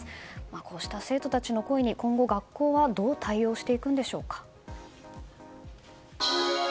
こうした生徒たちの声に今後、学校はどう対応していくのでしょうか。